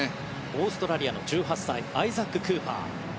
オーストラリアの１８歳アイザック・クーパー。